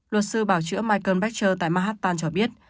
luật sư bảo chữa michael bector tại manhattan cho biết